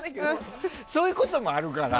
そういうこともあるから。